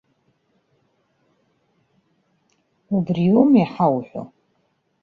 Убриоума иҳауҳәо?